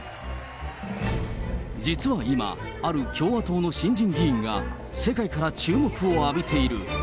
実は今、ある共和党の新人議員が、世界から注目を浴びている。